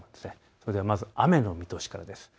それでは雨の見通しからです。